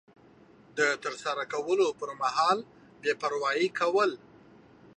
د ترسره کولو پر مهال بې پروایي کول